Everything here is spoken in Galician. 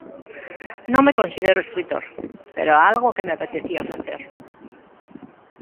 Non me considero escritor, pero é algo que me apetecía facer.